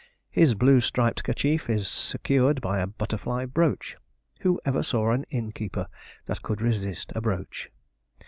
His blue striped kerchief is secured by a butterfly brooch. Who ever saw an innkeeper that could resist a brooch?